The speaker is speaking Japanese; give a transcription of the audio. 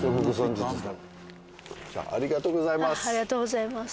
ありがとうございます。